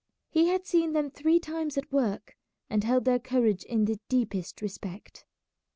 He had seen them three times at work, and held their courage in the deepest respect.